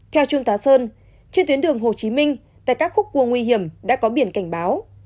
theo trung tá sơn trên tuyến đường hồ chí minh tại các khúc cua nguy hiểm đã có biển cảnh báo